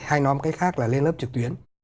hay nói một cách khác là lên lớp trực tuyến